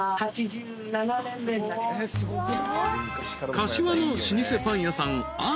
［柏の老舗パン屋さん］